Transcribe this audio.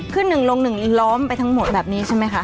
หนึ่งลง๑ล้อมไปทั้งหมดแบบนี้ใช่ไหมคะ